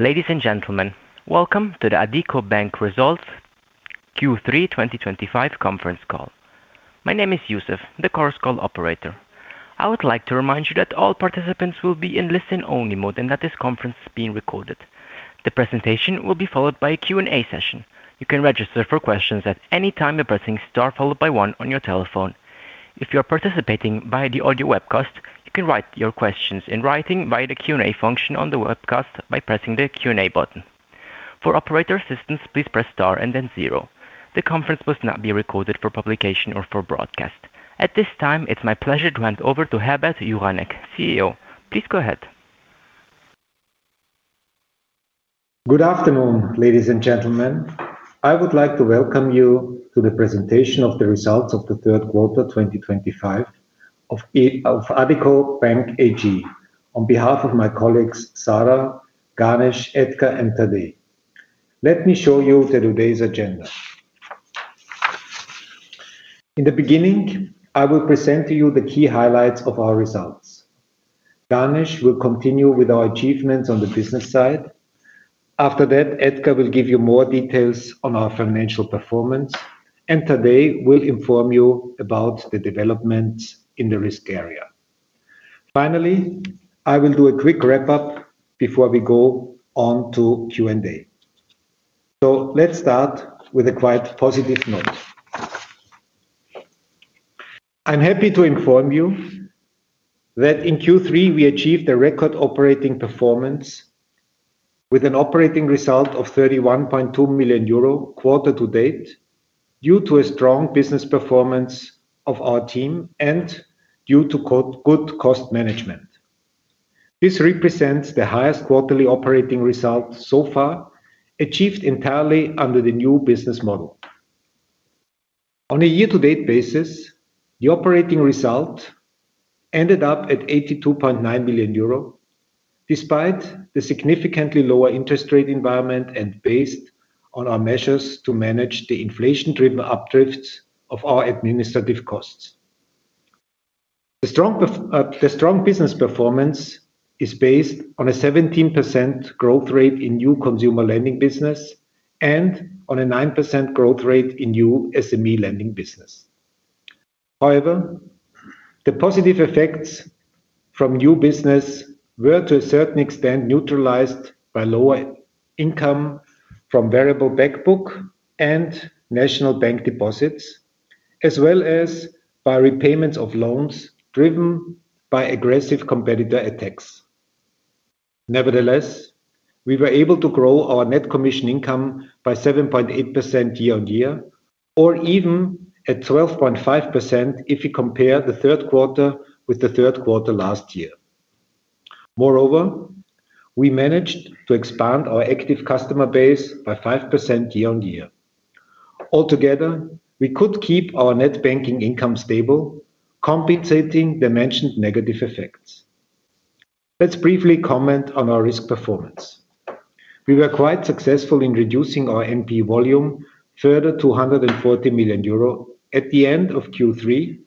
Ladies and gentlemen, welcome to the Addiko Bank Results Q3 2025 Conference Call. My name is Yusuf, the Chorus Call operator. I would like to remind you that all participants will be in listen-only mode and that this conference is being recorded. The presentation will be followed by a Q&A session. You can register for questions at any time by pressing star followed by one on your telephone. If you are participating via the audio webcast, you can write your questions in writing via the Q&A function on the webcast by pressing the Q&A button. For operator assistance, please press star and then zero. The conference must not be recorded for publication or for broadcast. At this time, it's my pleasure to hand over to Herbert Juranek, CEO. Please go ahead. Good afternoon, ladies and gentlemen. I would like to welcome you to the presentation of the results of the third quarter 2025 of Addiko Bank AG on behalf of my colleagues Sara, Ganesh, Edgar, and Tadej. Let me show you today's agenda. In the beginning, I will present to you the key highlights of our results. Ganesh will continue with our achievements on the business side. After that, Edgar will give you more details on our financial performance, and Tadej will inform you about the developments in the risk area. Finally, I will do a quick wrap-up before we go on to Q&A. Let's start with a quite positive note. I'm happy to inform you that in Q3, we achieved a record operating performance. With an operating result of 31.2 million euro quarter-to-date due to a strong business performance of our team and due to good cost management. This represents the highest quarterly operating result so far achieved entirely under the new business model. On a year-to-date basis, the operating result ended up at 82.9 million euro. Despite the significantly lower interest rate environment and based on our measures to manage the inflation-driven updrifts of our administrative costs. The strong business performance is based on a 17% growth rate in new consumer lending business and on a 9% growth rate in new SME lending business. However, the positive effects from new business were to a certain extent neutralized by lower income from variable backbook and national bank deposits, as well as by repayments of loans driven by aggressive competitor attacks. Nevertheless, we were able to grow our net commission income by 7.8% year-on-year, or even at 12.5% if we compare the third quarter with the third quarter last year. Moreover, we managed to expand our active customer base by 5% year-on-year. Altogether, we could keep our net banking income stable, compensating the mentioned negative effects. Let's briefly comment on our risk performance. We were quite successful in reducing our NPE volume further to 140 million euro at the end of Q3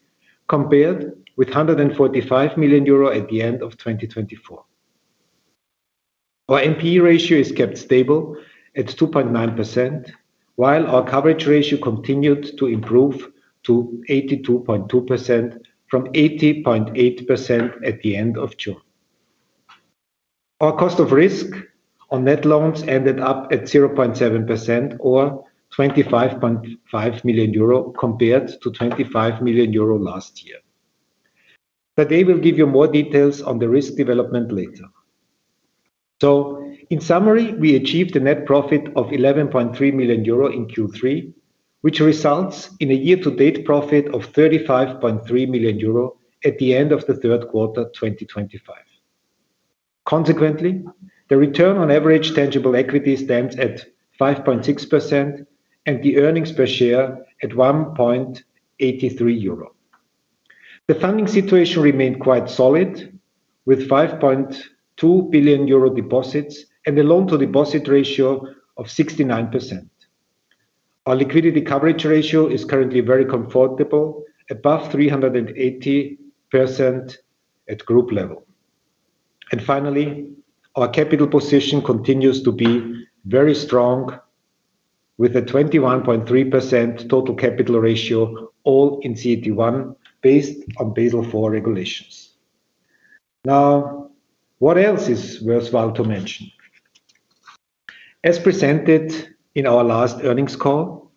compared with 145 million euro at the end of 2024. Our NPE ratio is kept stable at 2.9%, while our coverage ratio continued to improve to 82.2% from 80.8% at the end of June. Our cost of risk on net loans ended up at 0.7%, or 25.5 million euro compared to 25 million euro last year. Tadej will give you more details on the risk development later. In summary, we achieved a net profit of 11.3 million euro in Q3, which results in a year-to-date profit of 35.3 million euro at the end of the third quarter 2025. Consequently, the return on average tangible equity stands at 5.6% and the earnings per share at 1.83 euro. The funding situation remained quite solid, with 5.2 billion euro deposits and a loan-to-deposit ratio of 69%. Our liquidity coverage ratio is currently very comfortable, above 380% at group level. Finally, our capital position continues to be very strong, with a 21.3% total capital ratio, all in CET1 based on Basel IV regulations. What else is worthwhile to mention? As presented in our last earnings call,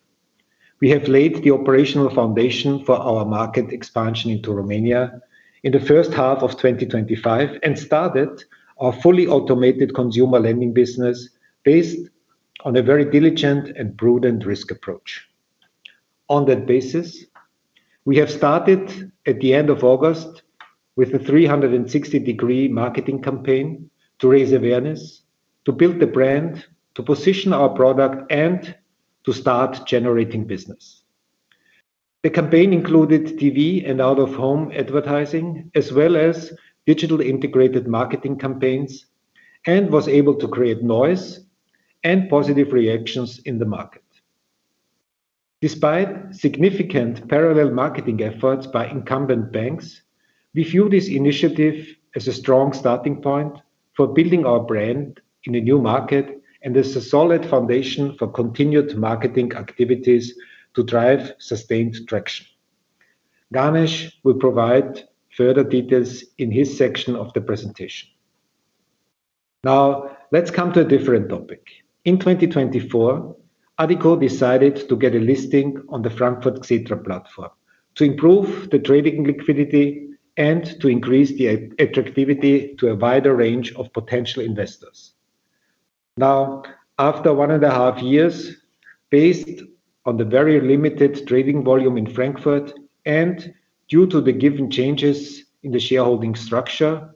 we have laid the operational foundation for our market expansion into Romania in the first half of 2025 and started our fully automated consumer lending business based on a very diligent and prudent risk approach. On that basis, we have started at the end of August with a 360-degree marketing campaign to raise awareness, to build the brand, to position our product, and to start generating business. The campaign included TV and out-of-home advertising, as well as digital integrated marketing campaigns, and was able to create noise and positive reactions in the market. Despite significant parallel marketing efforts by incumbent banks, we view this initiative as a strong starting point for building our brand in a new market and as a solid foundation for continued marketing activities to drive sustained traction. Ganesh will provide further details in his section of the presentation. Now, let's come to a different topic. In 2024, Addiko decided to get a listing on the Frankfurt Xetra platform to improve the trading liquidity and to increase the attractivity to a wider range of potential investors. Now, after one and a half years, based on the very limited trading volume in Frankfurt and due to the given changes in the shareholding structure,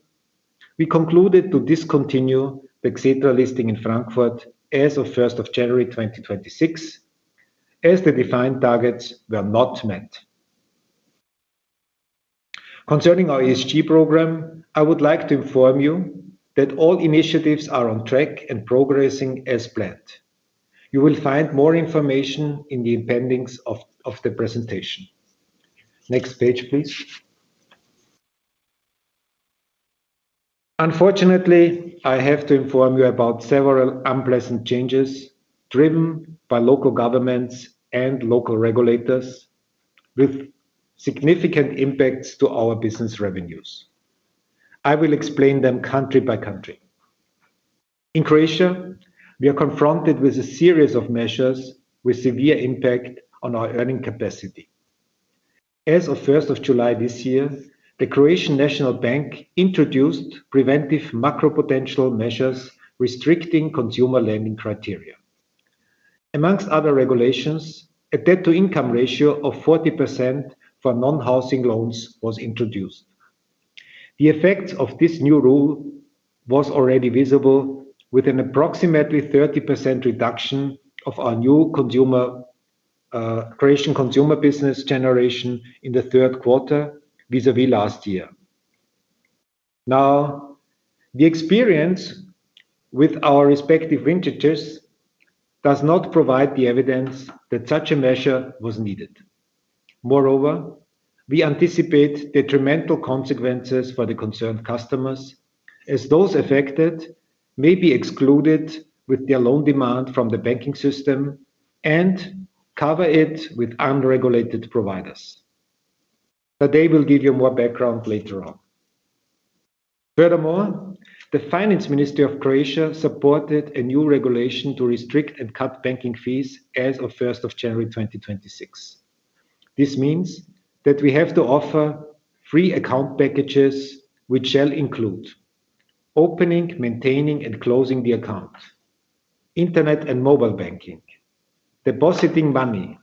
we concluded to discontinue the Xetra listing in Frankfurt as of 1st of January 2026, as the defined targets were not met. Concerning our ESG program, I would like to inform you that all initiatives are on track and progressing as planned. You will find more information in the appendix of the presentation. Next page, please. Unfortunately, I have to inform you about several unpleasant changes driven by local governments and local regulators with significant impacts to our business revenues. I will explain them country by country. In Croatia, we are confronted with a series of measures with severe impact on our earning capacity. As of 1st of July this year, the Croatian National Bank introduced preventive macro-potential measures restricting consumer lending criteria. Amongst other regulations, a debt-to-income ratio of 40% for non-housing loans was introduced. The effects of this new rule were already visible, with an approximately 30% reduction of our new Croatian consumer business generation in the third quarter vis-à-vis last year. Now, the experience with our respective vintages does not provide the evidence that such a measure was needed. Moreover, we anticipate detrimental consequences for the concerned customers, as those affected may be excluded with their loan demand from the banking system and covered with unregulated providers. Tadej will give you more background later on. Furthermore, the Finance Ministry of Croatia supported a new regulation to restrict and cut banking fees as of 1st of January 2026. This means that we have to offer free account packages, which shall include opening, maintaining, and closing the account. Internet and mobile banking, depositing money,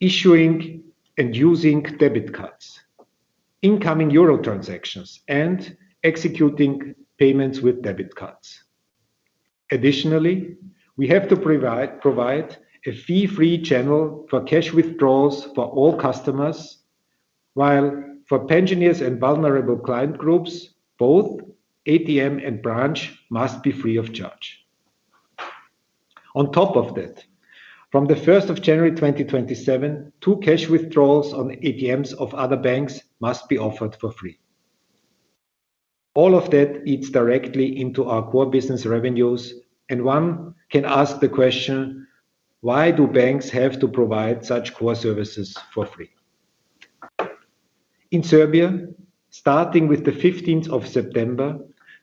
issuing and using debit cards, incoming euro transactions, and executing payments with debit cards. Additionally, we have to provide a fee-free channel for cash withdrawals for all customers, while for pensioners and vulnerable client groups, both ATM and branch must be free of charge. On top of that, from the 1st of January 2027, two cash withdrawals on ATMs of other banks must be offered for free. All of that eats directly into our core business revenues, and one can ask the question, why do banks have to provide such core services for free? In Serbia, starting with the 15th of September.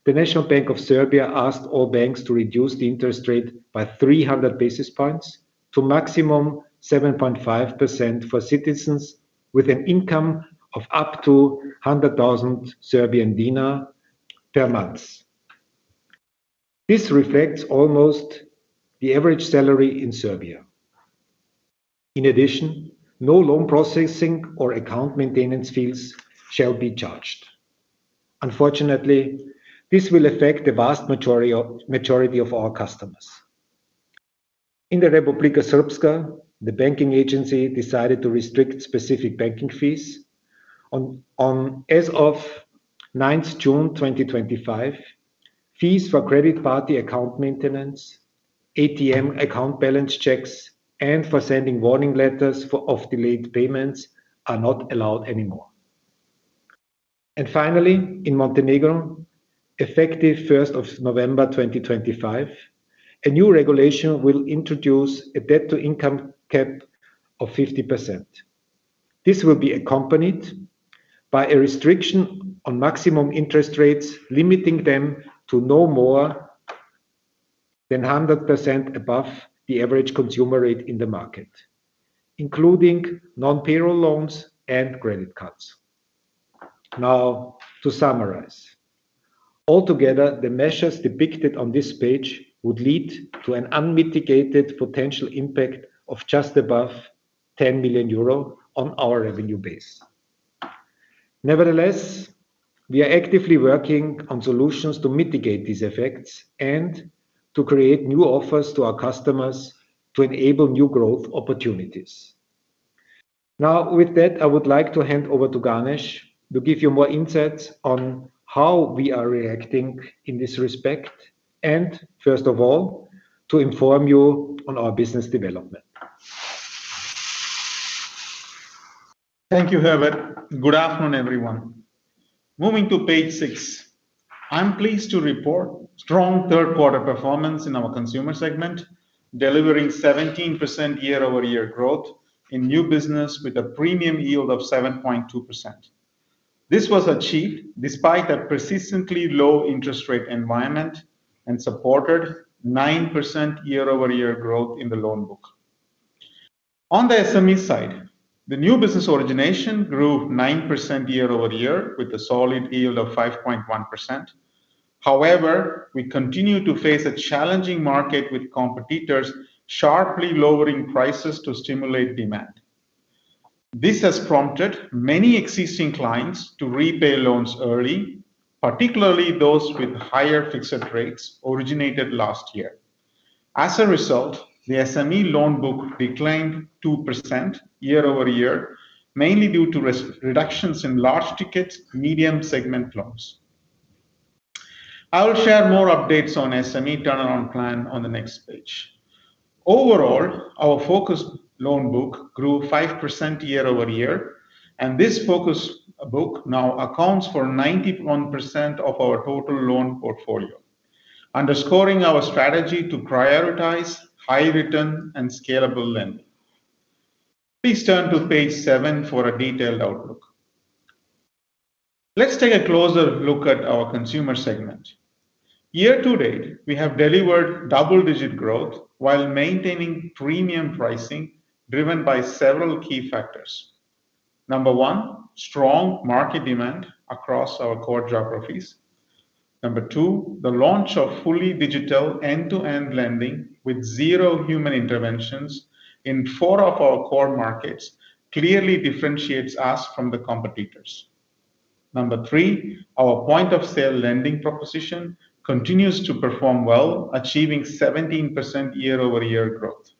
The National Bank of Serbia asked all banks to reduce the interest rate by 300 basis points to a maximum of 7.5% for citizens with an income of up to 100,000 Serbian dinar per month. This reflects almost the average salary in Serbia. In addition, no loan processing or account maintenance fees shall be charged. Unfortunately, this will affect the vast majority of our customers. In the Republika Srpska, the banking agency decided to restrict specific banking fees. As of 9th June 2025, fees for credit party account maintenance, ATM account balance checks, and for sending warning letters for off-delayed payments are not allowed anymore. Finally, in Montenegro, effective 1st of November 2025, a new regulation will introduce a debt-to-income cap of 50%. This will be accompanied by a restriction on maximum interest rates, limiting them to no more than 100% above the average consumer rate in the market, including non-payroll loans and credit cards. Now, to summarize, altogether, the measures depicted on this page would lead to an unmitigated potential impact of just above 10 million euro on our revenue base. Nevertheless, we are actively working on solutions to mitigate these effects and to create new offers to our customers to enable new growth opportunities. Now, with that, I would like to hand over to Ganesh to give you more insights on how we are reacting in this respect and, first of all, to inform you on our business development. Thank you, Herbert. Good afternoon, everyone. Moving to page six, I'm pleased to report strong third-quarter performance in our consumer segment, delivering 17% year-over-year growth in new business with a premium yield of 7.2%. This was achieved despite a persistently low-interest rate environment and supported 9% year-over-year growth in the loan book. On the SME side, the new business origination grew 9% year-over-year with a solid yield of 5.1%. However, we continue to face a challenging market with competitors sharply lowering prices to stimulate demand. This has prompted many existing clients to repay loans early, particularly those with higher fixed rates originated last year. As a result, the SME loan book declined 2% year-over-year, mainly due to reductions in large ticket medium-segment loans. I will share more updates on the SME turnaround plan on the next page. Overall, our focused loan book grew 5% year-over-year, and this focused book now accounts for 91% of our total loan portfolio, underscoring our strategy to prioritize high-return and scalable lending. Please turn to page seven for a detailed outlook. Let's take a closer look at our consumer segment. Year-to-date, we have delivered double-digit growth while maintaining premium pricing driven by several key factors. Number one, strong market demand across our core geographies. Number two, the launch of fully digital end-to-end lending with zero human interventions in four of our core markets clearly differentiates us from the competitors. Number three, our point-of-sale lending proposition continues to perform well, achieving 17% year-over-year growth.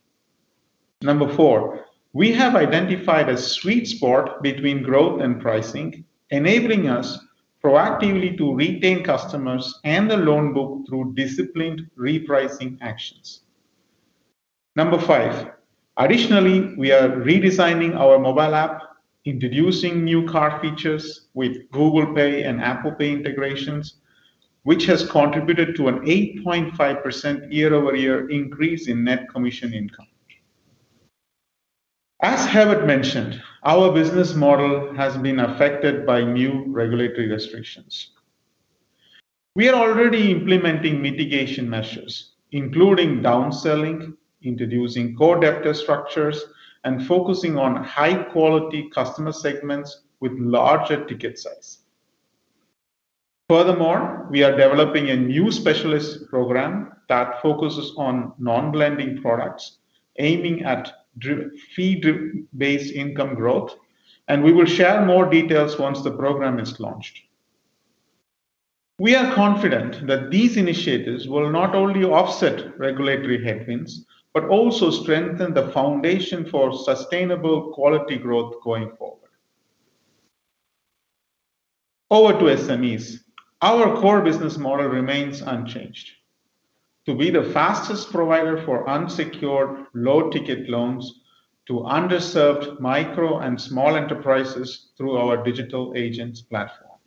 Number four, we have identified a sweet spot between growth and pricing, enabling us proactively to retain customers and the loan book through disciplined repricing actions. Number five, additionally, we are redesigning our mobile app, introducing new card features with Google Pay and Apple Pay integrations, which has contributed to an 8.5% year-over-year increase in net commission income. As Herbert mentioned, our business model has been affected by new regulatory restrictions. We are already implementing mitigation measures, including downselling, introducing core debtor structures, and focusing on high-quality customer segments with larger ticket size. Furthermore, we are developing a new specialist program that focuses on non-blending products, aiming at. Fee-based income growth, and we will share more details once the program is launched. We are confident that these initiatives will not only offset regulatory headwinds but also strengthen the foundation for sustainable quality growth going forward. Over to SMEs. Our core business model remains unchanged. To be the fastest provider for unsecured low-ticket loans to underserved micro and small enterprises through our digital agents platform.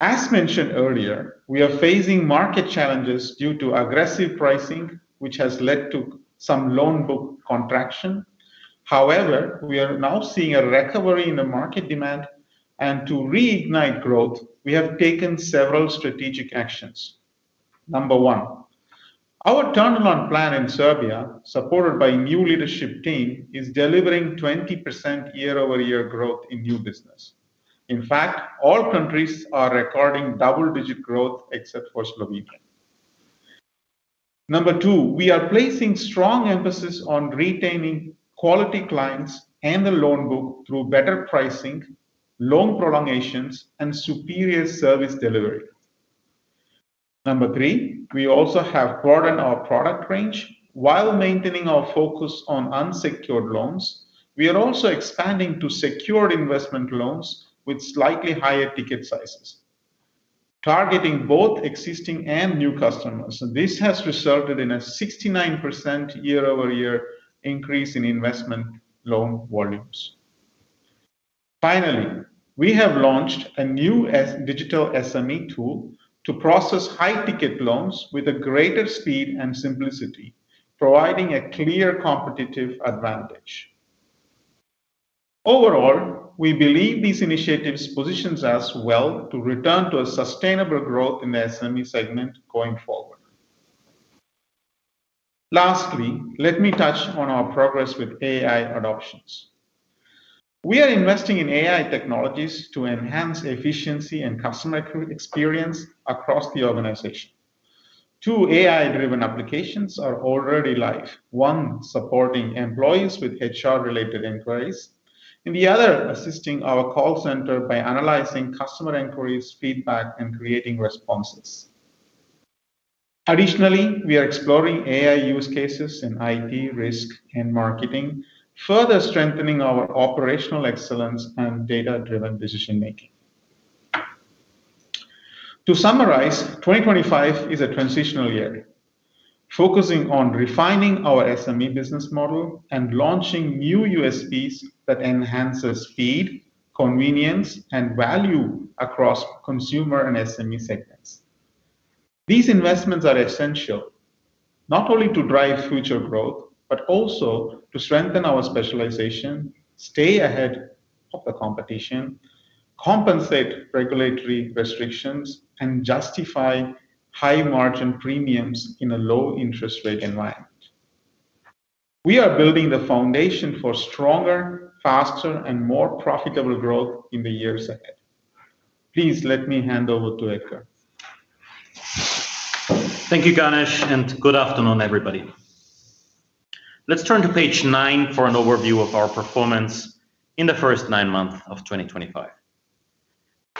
As mentioned earlier, we are facing market challenges due to aggressive pricing, which has led to some loan book contraction. However, we are now seeing a recovery in the market demand, and to reignite growth, we have taken several strategic actions. Number one, our turnaround plan in Serbia, supported by a new leadership team, is delivering 20% year-over-year growth in new business. In fact, all countries are recording double-digit growth except for Slovenia. Number two, we are placing strong emphasis on retaining quality clients and the loan book through better pricing, loan prolongations, and superior service delivery. Number three, we also have broadened our product range. While maintaining our focus on unsecured loans, we are also expanding to secured investment loans with slightly higher ticket sizes. Targeting both existing and new customers, this has resulted in a 69% year-over-year increase in investment loan volumes. Finally, we have launched a new digital SME tool to process high-ticket loans with greater speed and simplicity, providing a clear competitive advantage. Overall, we believe these initiatives position us well to return to sustainable growth in the SME segment going forward. Lastly, let me touch on our progress with AI adoptions. We are investing in AI technologies to enhance efficiency and customer experience across the organization. Two AI-driven applications are already live, one supporting employees with HR-related inquiries and the other assisting our call center by analyzing customer inquiries, feedback, and creating responses. Additionally, we are exploring AI use cases in IT, risk, and marketing, further strengthening our operational excellence and data-driven decision-making. To summarize, 2025 is a transitional year, focusing on refining our SME business model and launching new USPs that enhance speed, convenience, and value across consumer and SME segments. These investments are essential, not only to drive future growth, but also to strengthen our specialization, stay ahead of the competition, compensate regulatory restrictions, and justify high-margin premiums in a low-interest rate environment. We are building the foundation for stronger, faster, and more profitable growth in the years ahead. Please let me hand over to Edgar. Thank you, Ganesh, and good afternoon, everybody. Let's turn to page nine for an overview of our performance in the first nine months of 2025.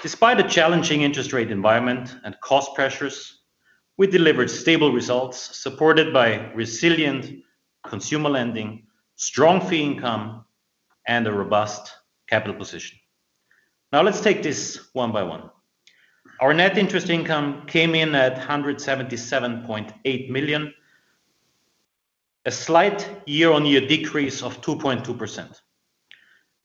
Despite the challenging interest rate environment and cost pressures, we delivered stable results supported by resilient consumer lending, strong fee income, and a robust capital position. Now, let's take this one by one. Our net interest income came in at 177.8 million, a slight year-on-year decrease of 2.2%.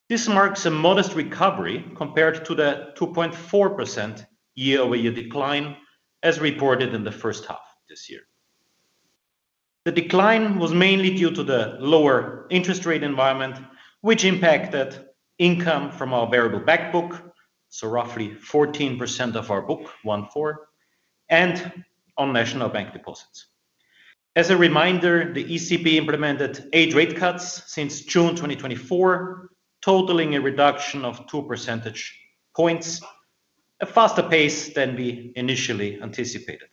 This marks a modest recovery compared to the 2.4% year-over-year decline as reported in the first half of this year. The decline was mainly due to the lower interest rate environment, which impacted income from our variable backbook, so roughly 14% of our book one-four, and on national bank deposits. As a reminder, the ECB implemented eight rate cuts since June 2024, totaling a reduction of 2 percentage points, a faster pace than we initially anticipated.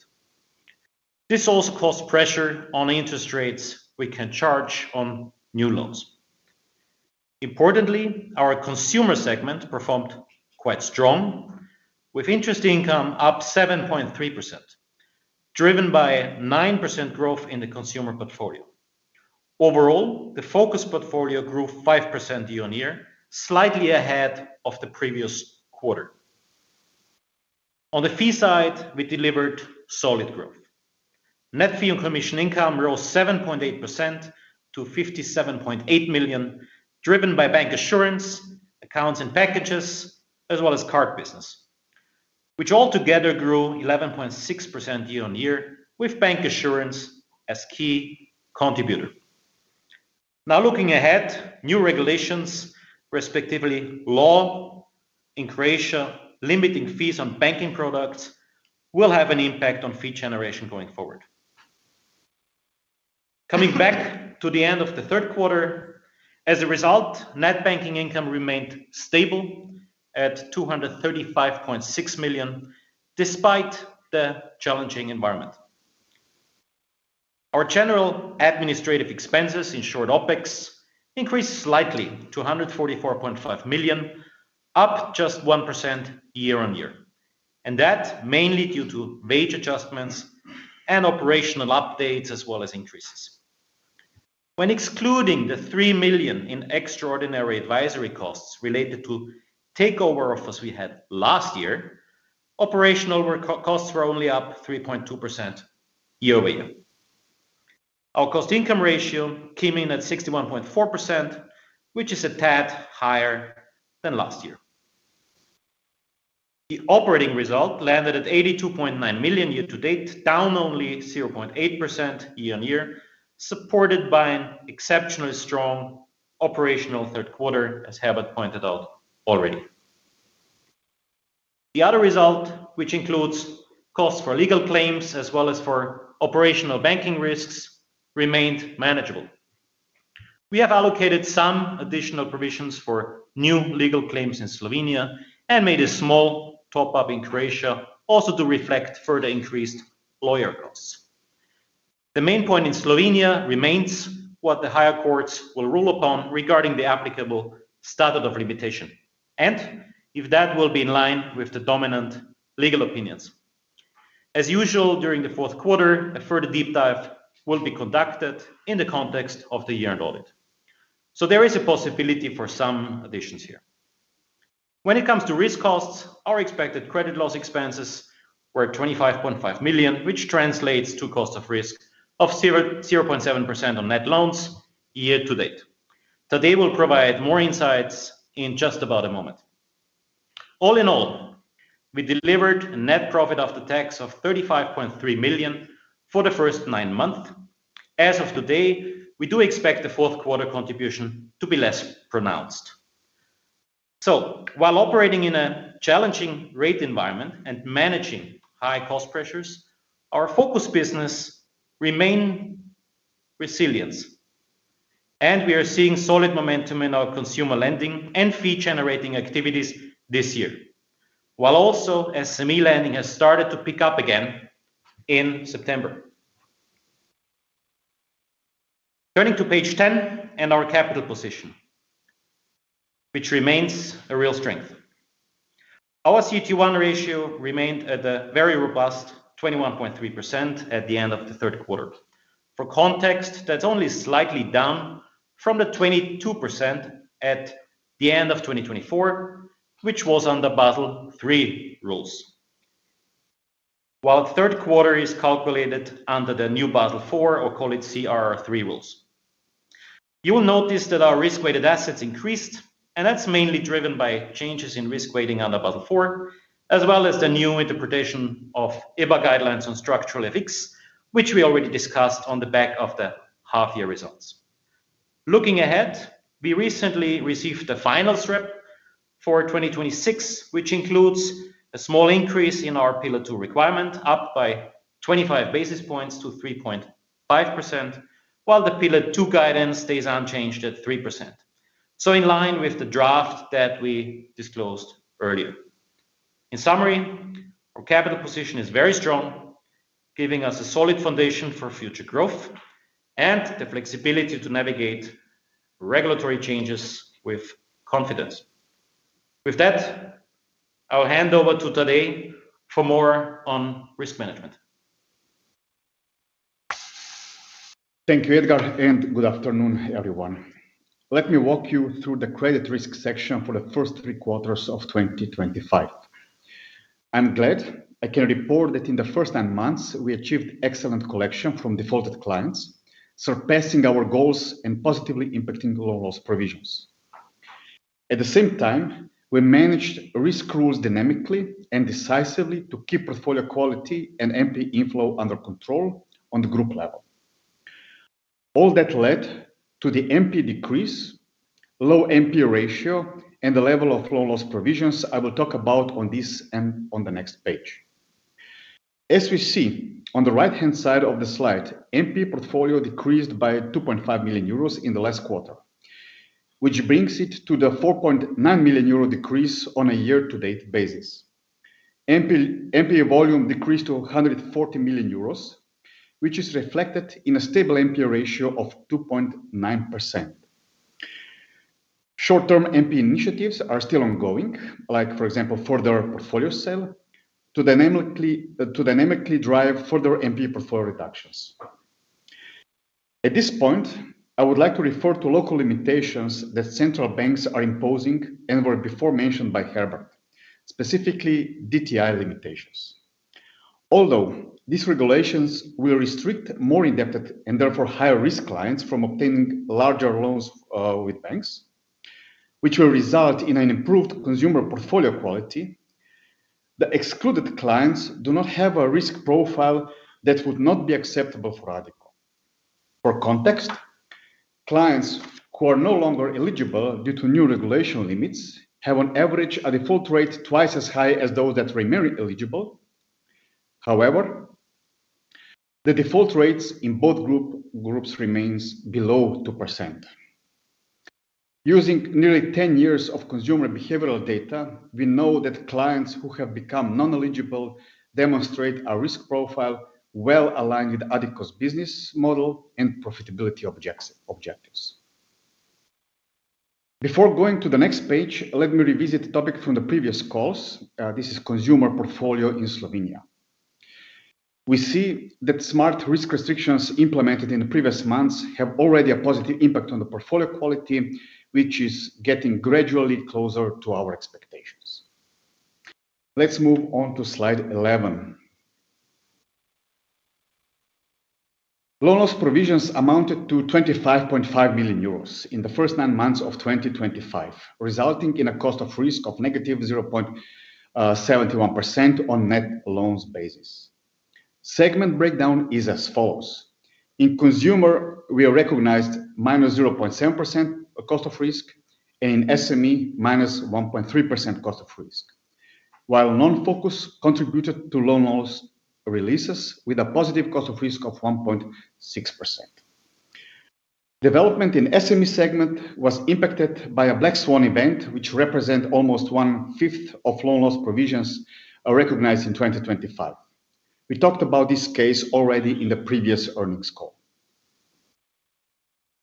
This also caused pressure on interest rates we can charge on new loans. Importantly, our consumer segment performed quite strong, with interest income up 7.3%. Driven by 9% growth in the consumer portfolio. Overall, the focused portfolio grew 5% year-on-year, slightly ahead of the previous quarter. On the fee side, we delivered solid growth. Net fee and commission income rose 7.8% to 57.8 million, driven by bank assurance, accounts, and packages, as well as card business, which altogether grew 11.6% year-on-year, with bank assurance as a key contributor. Now, looking ahead, new regulations, respectively law in Croatia limiting fees on banking products will have an impact on fee generation going forward. Coming back to the end of the third quarter, as a result, net banking income remained stable at 235.6 million, despite the challenging environment. Our general administrative expenses, in short, OpEx, increased slightly to 144.5 million, up just 1% year-on-year, and that mainly due to wage adjustments and operational updates, as well as increases. When excluding the 3 million in extraordinary advisory costs related to takeover offers we had last year, operational costs were only up 3.2% year-over-year. Our cost-income ratio came in at 61.4%, which is a tad higher than last year. The operating result landed at 82.9 million year-to-date, down only 0.8% year-on-year, supported by an exceptionally strong operational third quarter, as Herbert pointed out already. The other result, which includes costs for legal claims as well as for operational banking risks, remained manageable. We have allocated some additional provisions for new legal claims in Slovenia and made a small top-up in Croatia, also to reflect further increased lawyer costs. The main point in Slovenia remains what the higher courts will rule upon regarding the applicable standard of limitation, and if that will be in line with the dominant legal opinions. As usual, during the fourth quarter, a further deep dive will be conducted in the context of the year-end audit. There is a possibility for some additions here. When it comes to risk costs, our expected credit loss expenses were 25.5 million, which translates to a cost of risk of 0.7% on net loans year-to-date. Today, we'll provide more insights in just about a moment. All in all, we delivered a net profit after tax of 35.3 million for the first nine months. As of today, we do expect the fourth quarter contribution to be less pronounced. While operating in a challenging rate environment and managing high cost pressures, our focused business remains resilient. We are seeing solid momentum in our consumer lending and fee-generating activities this year, while also SME lending has started to pick up again in September. Turning to page 10 and our capital position, which remains a real strength. Our CET1 ratio remained at a very robust 21.3% at the end of the third quarter. For context, that's only slightly down from the 22% at the end of 2024, which was under Basel III rules. While the third quarter is calculated under the new Basel IV, or call it CRR III rules. You will notice that our risk-weighted assets increased, and that's mainly driven by changes in risk-weighting under Basel IV, as well as the new interpretation of EBA guidelines on structural FX, which we already discussed on the back of the half-year results. Looking ahead, we recently received the final SREP for 2026, which includes a small increase in our Pillar II requirement, up by 25 basis points to 3.5%, while the Pillar II guidance stays unchanged at 3%. In line with the draft that we disclosed earlier. In summary, our capital position is very strong, giving us a solid foundation for future growth and the flexibility to navigate regulatory changes with confidence. With that, I'll hand over to Tadej for more on risk management. Thank you, Edgar, and good afternoon, everyone. Let me walk you through the credit risk section for the first three quarters of 2025. I'm glad I can report that in the first nine months, we achieved excellent collection from defaulted clients, surpassing our goals and positively impacting loan loss provisions. At the same time, we managed risk rules dynamically and decisively to keep portfolio quality and MP inflow under control on the group level. All that led to the MP decrease, low MP ratio, and the level of loan loss provisions I will talk about on this and on the next page. As we see on the right-hand side of the slide, MP portfolio decreased by 2.5 million euros in the last quarter, which brings it to the 4.9 million euro decrease on a year-to-date basis. MP volume decreased to 140 million euros, which is reflected in a stable MP ratio of 2.9%. Short-term MP initiatives are still ongoing, like, for example, further portfolio sale to dynamically drive further MP portfolio reductions. At this point, I would like to refer to local limitations that central banks are imposing and were before mentioned by Herbert, specifically DTI limitations. Although these regulations will restrict more indebted and therefore higher risk clients from obtaining larger loans with banks, which will result in an improved consumer portfolio quality. The excluded clients do not have a risk profile that would not be acceptable for Addiko. For context, clients who are no longer eligible due to new regulation limits have on average a default rate twice as high as those that remain eligible. However, the default rates in both groups remain below 2%. Using nearly 10 years of consumer behavioral data, we know that clients who have become non-eligible demonstrate a risk profile well aligned with Addiko's business model and profitability objectives. Before going to the next page, let me revisit a topic from the previous calls. This is consumer portfolio in Slovenia. We see that smart risk restrictions implemented in the previous months have already a positive impact on the portfolio quality, which is getting gradually closer to our expectations. Let's move on to slide 11. Loan loss provisions amounted to 25.5 million euros in the first nine months of 2025, resulting in a cost of risk of -0.71% on net loans basis. Segment breakdown is as follows. In consumer, we recognized -0.7% cost of risk, and in SME, -1.3% cost of risk, while non-focus contributed to loan loss releases with a positive cost of risk of 1.6%. Development in SME segment was impacted by a black swan event, which represents almost one-fifth of loan loss provisions recognized in 2025. We talked about this case already in the previous earnings call.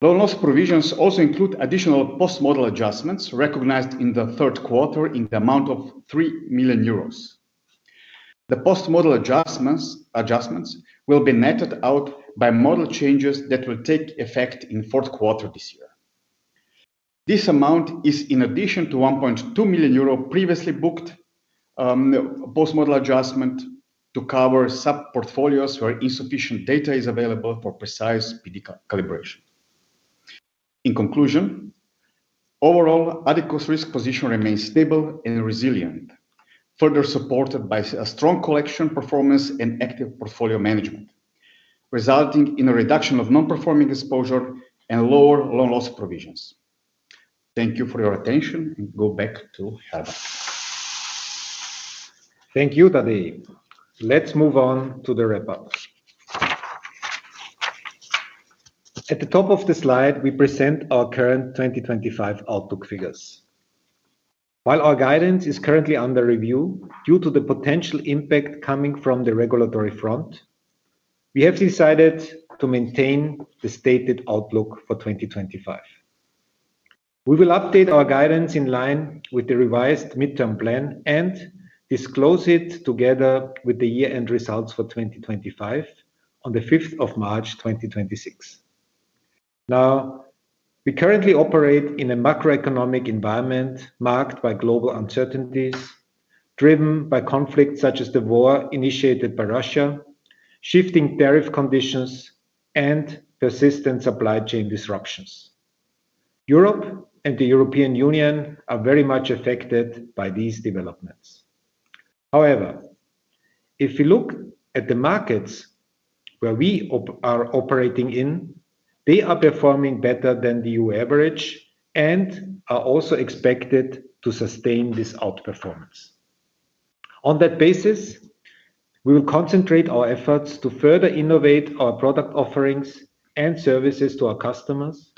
Loan loss provisions also include additional post-model adjustments recognized in the third quarter in the amount of 3 million euros. The post-model adjustments will be netted out by model changes that will take effect in the fourth quarter this year. This amount is in addition to 1.2 million euro previously booked. Post-model adjustment to cover sub-portfolios where insufficient data is available for precise PD calibration. In conclusion, overall, Addiko's risk position remains stable and resilient, further supported by strong collection performance and active portfolio management, resulting in a reduction of non-performing exposure and lower loan loss provisions. Thank you for your attention, and go back to Herbert. Thank you, Tadej. Let's move on to the wrap-up. At the top of the slide, we present our current 2025 outlook figures. While our guidance is currently under review due to the potential impact coming from the regulatory front. We have decided to maintain the stated outlook for 2025. We will update our guidance in line with the revised midterm plan and disclose it together with the year-end results for 2025 on the 5th of March, 2026. Now, we currently operate in a macroeconomic environment marked by global uncertainties, driven by conflicts such as the war initiated by Russia, shifting tariff conditions, and persistent supply chain disruptions. Europe and the European Union are very much affected by these developments. However, if we look at the markets where we are operating in, they are performing better than the EU average and are also expected to sustain this outperformance. On that basis, we will concentrate our efforts to further innovate our product offerings and services to our customers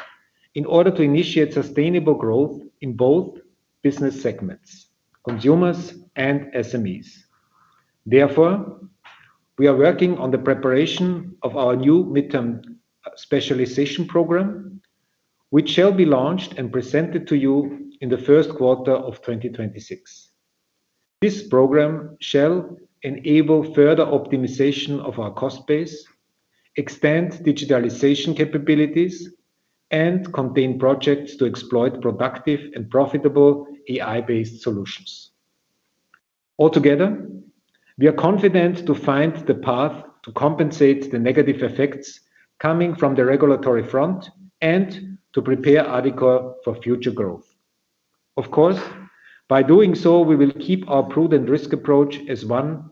in order to initiate sustainable growth in both business segments, consumers and SMEs. Therefore, we are working on the preparation of our new midterm specialization program, which shall be launched and presented to you in the first quarter of 2026. This program shall enable further optimization of our cost base, extend digitalization capabilities, and contain projects to exploit productive and profitable AI-based solutions. Altogether, we are confident to find the path to compensate the negative effects coming from the regulatory front and to prepare Addiko for future growth. Of course, by doing so, we will keep our prudent risk approach as one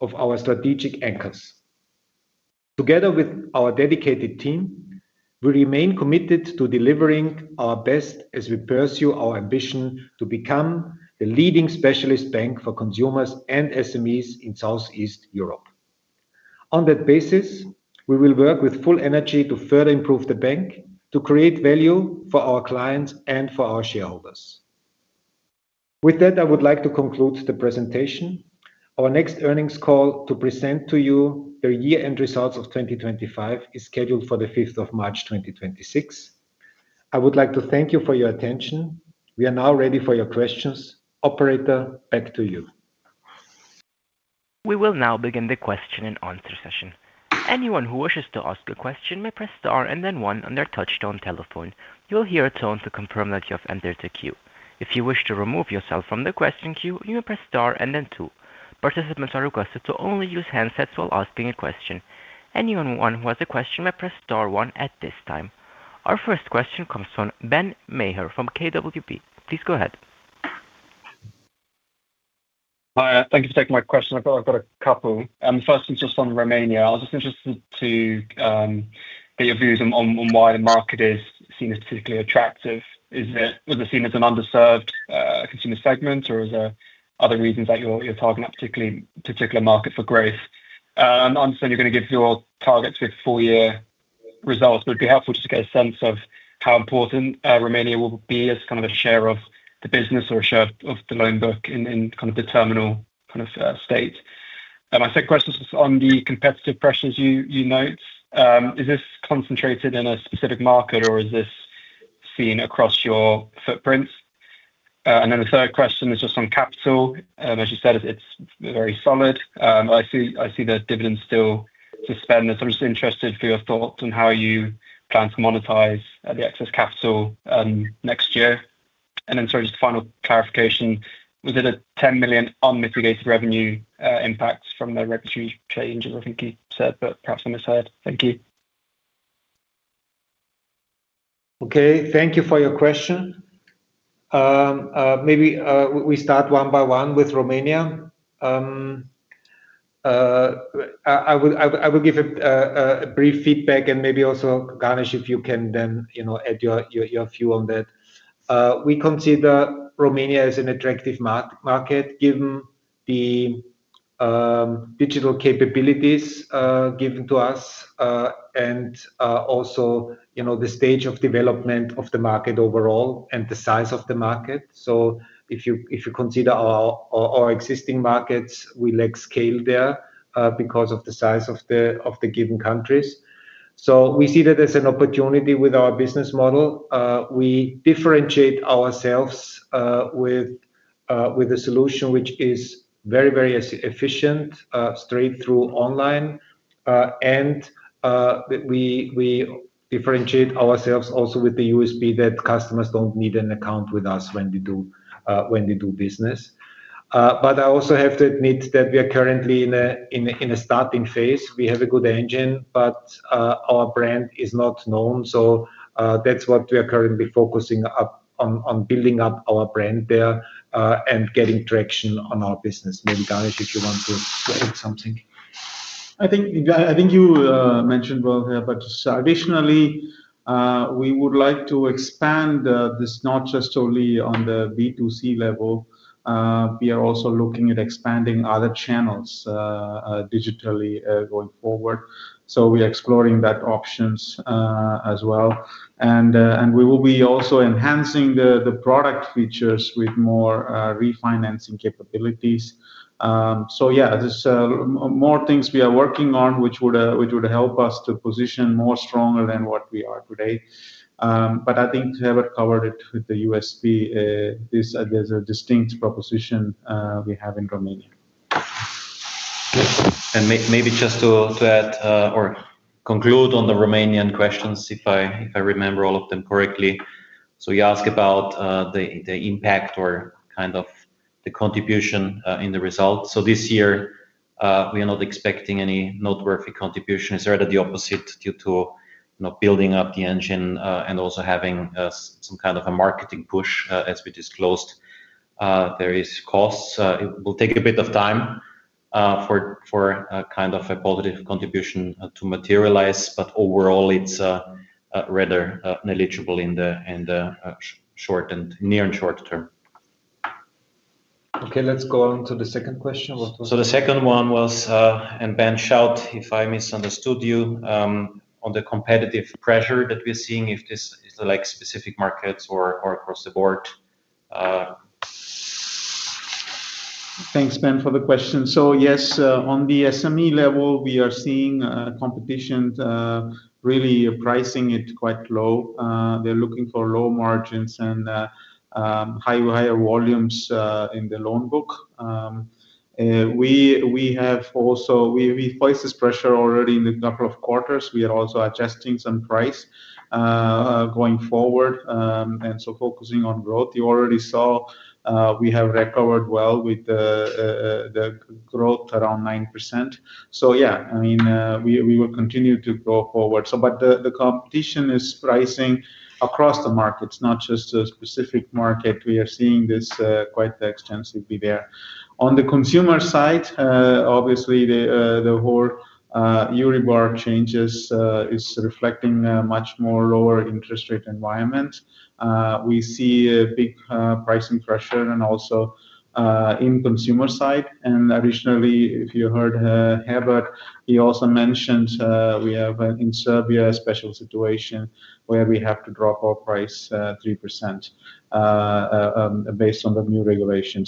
of our strategic anchors. Together with our dedicated team, we remain committed to delivering our best as we pursue our ambition to become the leading specialist bank for consumers and SMEs in Southeast Europe. On that basis, we will work with full energy to further improve the bank, to create value for our clients and for our shareholders. With that, I would like to conclude the presentation. Our next earnings call to present to you the year-end results of 2025 is scheduled for the 5th of March, 2026. I would like to thank you for your attention. We are now ready for your questions. Operator, back to you. We will now begin the question-and-answer session. Anyone who wishes to ask a question may press star and then one on their touchstone telephone. You will hear a tone to confirm that you have entered the queue. If you wish to remove yourself from the question queue, you may press star and then two. Participants are requested to only use handsets while asking a question. Anyone who has a question may press star one at this time. Our first question comes from Ben Maher from KBW. Please go ahead. Hi, thank you for taking my question. I've got a couple. The first one's just on Romania. I was just interested to get your views on why the market is seen as particularly attractive. Was it seen as an underserved consumer segment, or are there other reasons that you're targeting a particular market for growth? I understand you're going to give your targets for four-year results, but it'd be helpful just to get a sense of how important Romania will be as kind of a share of the business or a share of the loan book in kind of the terminal kind of state. My second question is just on the competitive pressures you note. Is this concentrated in a specific market, or is this seen across your footprint? The third question is just on capital. As you said, it's very solid. I see the dividends still suspended. I'm just interested for your thoughts on how you plan to monetize the excess capital next year. And then sorry, just final clarification. Was it a 10 million unmitigated revenue impact from the regulatory changes? I think you said, but perhaps I misheard. Thank you. Okay, thank you for your question. Maybe we start one by one with Romania. I will give a brief feedback and maybe also, Ganesh, if you can then add your view on that. We consider Romania as an attractive market given the digital capabilities given to us, and also the stage of development of the market overall and the size of the market. If you consider our existing markets, we lack scale there because of the size of the given countries. We see that as an opportunity with our business model. We differentiate ourselves with. A solution which is very, very efficient, straight through online. We differentiate ourselves also with the USP that customers do not need an account with us when they do business. I also have to admit that we are currently in a starting phase. We have a good engine, but our brand is not known. That is what we are currently focusing on, building up our brand there and getting traction on our business. Maybe Ganesh, if you want to add something. I think you mentioned well here, but additionally, we would like to expand this not just only on the B2C level. We are also looking at expanding other channels digitally going forward. We are exploring that options as well. We will be also enhancing the product features with more refinancing capabilities. Yeah, there are more things we are working on which would help us to position more strongly than what we are today. I think to have it covered with the USP, there is a distinct proposition we have in Romania. Maybe just to add or conclude on the Romanian questions, if I remember all of them correctly. You asked about the impact or kind of the contribution in the results. This year, we are not expecting any noteworthy contribution. It is rather the opposite due to building up the engine and also having some kind of a marketing push, as we disclosed. There are costs. It will take a bit of time for a positive contribution to materialize, but overall, it is rather negligible in the short and near and short term. Okay, let's go on to the second question. The second one was, and Ben, shout if I misunderstood you, on the competitive pressure that we're seeing, if this is specific markets or across the board. Thanks, Ben, for the question. Yes, on the SME level, we are seeing competition really pricing it quite low. They're looking for low margins and higher volumes in the loan book. We have also, we faced this pressure already in a couple of quarters. We are also adjusting some price going forward and focusing on growth. You already saw we have recovered well with the growth around 9%. Yeah, I mean, we will continue to go forward. The competition is pricing across the markets, not just a specific market. We are seeing this quite extensively there. On the consumer side, obviously, the whole Euribor changes is reflecting a much more lower interest rate environment. We see a big pricing pressure also in the consumer side. Additionally, if you heard Herbert, he also mentioned we have in Serbia a special situation where we have to drop our price 3% based on the new regulation.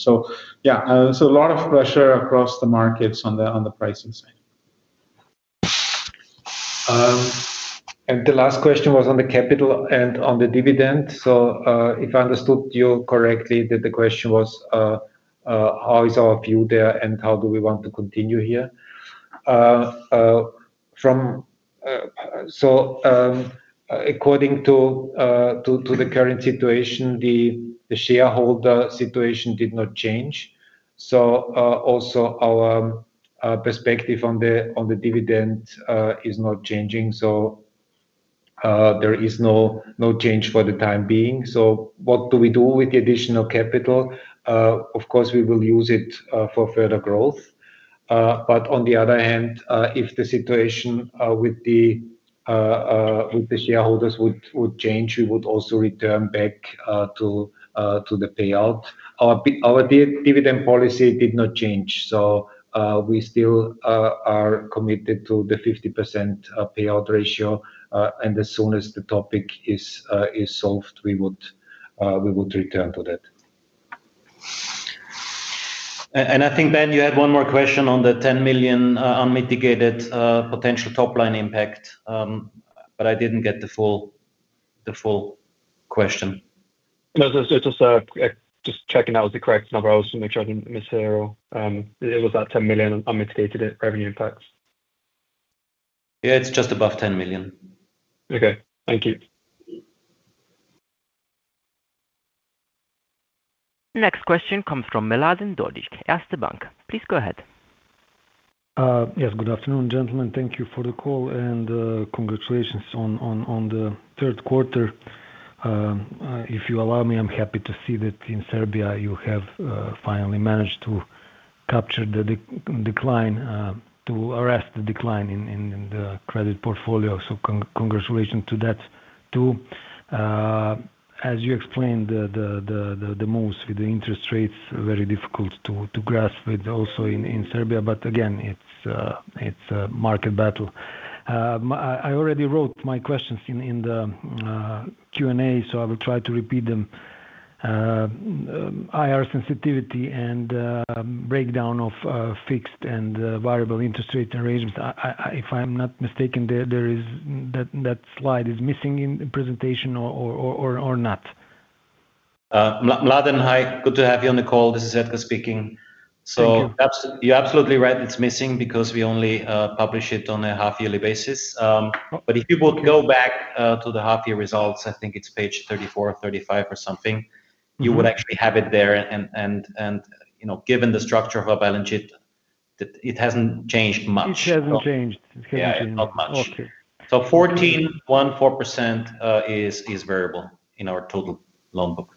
Yeah, a lot of pressure across the markets on the pricing side. The last question was on the capital and on the dividend. If I understood you correctly, the question was how is our view there and how do we want to continue here? According to the current situation, the shareholder situation did not change. Also, our perspective on the dividend is not changing. There is no change for the time being. What do we do with the additional capital? Of course, we will use it for further growth. On the other hand, if the situation with the Shareholders would change, we would also return back to the payout. Our dividend policy did not change. We still are committed to the 50% payout ratio. As soon as the topic is solved, we would return to that. I think, Ben, you had one more question on the 10 million unmitigated potential top-line impact. I did not get the full question. Just checking that was the correct number. I was just going to make sure I did not mishear. It was that 10 million unmitigated revenue impacts. Yeah, it is just above 10 million. Okay, thank you. Next question comes from Mladen Dodig, Erste Bank. Please go ahead. Yes, good afternoon, gentlemen. Thank you for the call and congratulations on the third quarter. If you allow me, I am happy to see that in Serbia you have finally managed to. Capture the decline, to arrest the decline in the credit portfolio. Congratulations to that too, as you explained. The moves with the interest rates are very difficult to grasp also in Serbia. Again, it is a market battle. I already wrote my questions in the Q&A, so I will try to repeat them. IR sensitivity and breakdown of fixed and variable interest rate arrangements. If I am not mistaken, that slide is missing in the presentation or not? Mladen, hi, good to have you on the call. This is Edgar speaking. You are absolutely right. It is missing because we only publish it on a half-yearly basis. If you would go back to the half-year results, I think it is page 34 or 35 or something, you would actually have it there. Given the structure of a balance sheet, it has not changed much. It has not changed. It has not changed. Yeah, not much. So 14.14% is variable in our total loan book.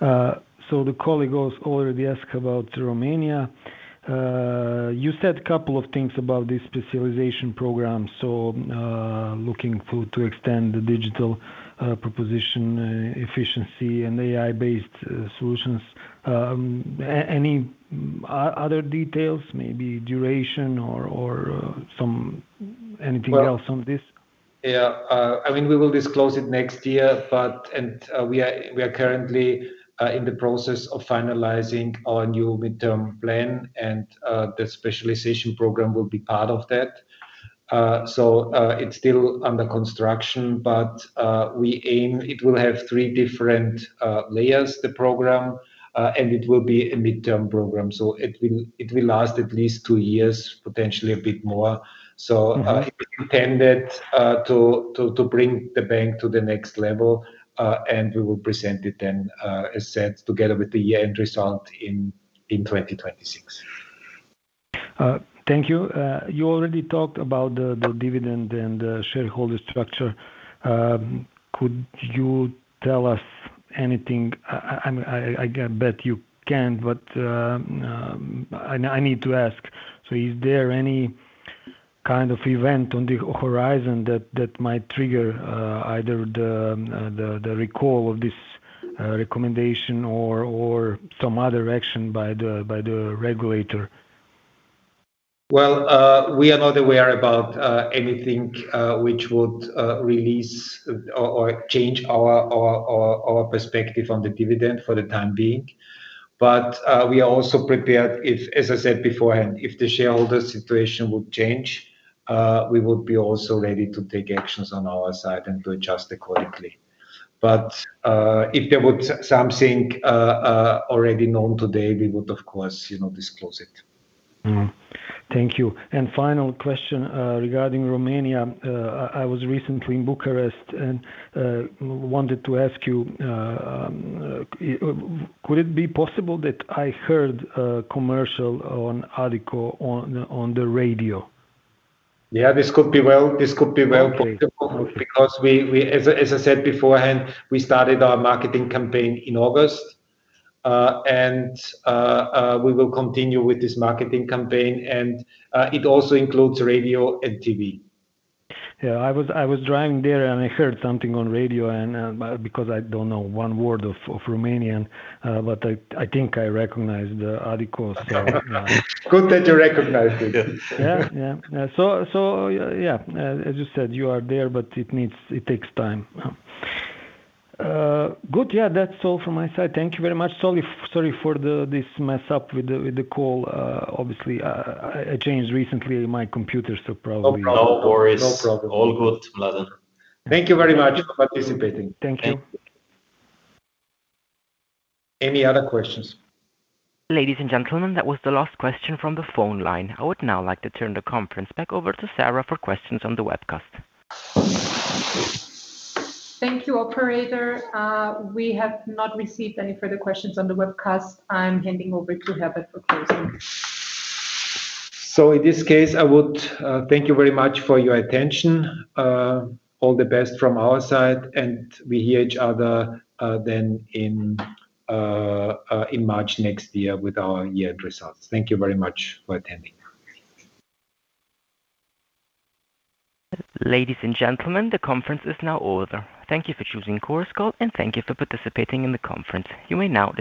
The call, I already asked about Romania. You said a couple of things about this specialization program. Looking to extend the digital proposition efficiency and AI-based solutions. Any other details, maybe duration or anything else on this? Yeah. I mean, we will disclose it next year, and we are currently in the process of finalizing our new midterm plan, and the specialization program will be part of that. It is still under construction, but it will have three different layers, the program. It will be a midterm program, so it will last at least two years, potentially a bit more. It is intended to bring the bank to the next level, and we will present it then together with the year-end result in 2026. Thank you. You already talked about the dividend and the shareholder structure. Could you tell us anything? I bet you can, but I need to ask. Is there any kind of event on the horizon that might trigger either the recall of this recommendation or some other action by the regulator? We are not aware about anything which would release or change our perspective on the dividend for the time being. We are also prepared, as I said beforehand, if the shareholder situation would change, we would be also ready to take actions on our side and to adjust accordingly. If there was something already known today, we would, of course, disclose it. Thank you. Final question regarding Romania. I was recently in Bucharest and wanted to ask you, could it be possible that I heard commercial on Addiko on the radio? Yeah, this could be well. Possible because, as I said beforehand, we started our marketing campaign in August. We will continue with this marketing campaign. It also includes radio and TV. Yeah, I was driving there and I heard something on radio because I do not know one word of Romanian, but I think I recognized Addiko. Good that you recognized it. Yeah, yeah. As you said, you are there, but it takes time. Good. That is all from my side. Thank you very much. Sorry for this mess up with the call. Obviously, I changed recently my computer, so probably. No problem. All good, Mladen. Thank you very much for participating. Thank you. Any other questions? Ladies and gentlemen, that was the last question from the phone line. I would now like to turn the conference back over to Sara for questions on the webcast. Thank you, operator. We have not received any further questions on the webcast. I'm handing over to Herbert for closing. In this case, I would thank you very much for your attention. All the best from our side, and we hear each other in March next year with our year-end results. Thank you very much for attending. Ladies and gentlemen, the conference is now over. Thank you for choosing Chorus Call, and thank you for participating in the conference. You may now.